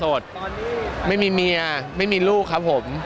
ไม่มีเมียไม่มีลูกครับผม